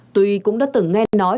tùy cũng đã từng nghe nói